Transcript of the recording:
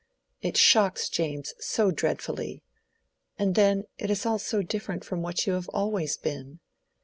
It shocks James so dreadfully. And then it is all so different from what you have always been.